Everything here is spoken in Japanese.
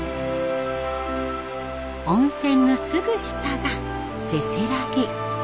温泉のすぐ下がせせらぎ。